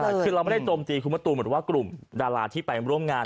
ใช่คือเราไม่ได้โจมตีคุณมะตูมหรือว่ากลุ่มดาราที่ไปร่วมงาน